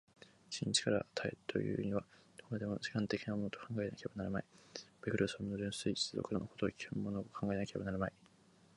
真に一から多へというには、どこまでも時間的なものと考えなければなるまい、ベルグソンの純粋持続の如きものを考えなければなるまい。